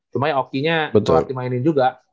cuma ya oki nya telat dimainin juga